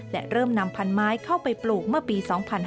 และเริ่มนำพันไม้เข้าไปปลูกเมื่อปี๒๕๕๙